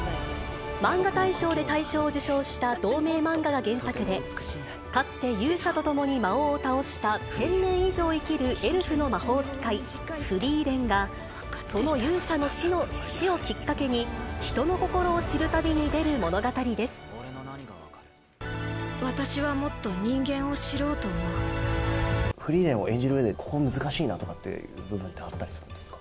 マンガ大賞で大賞を受賞した同名漫画が原作で、かつて勇者と共に魔王を倒した１０００年以上生きるエルフの魔法使い、フリーレンが、その勇者の死をきっかけに、私はもっと人間を知ろうと思フリーレンを演じるうえで、ここ、難しいなとかって部分ってあったりするんですか。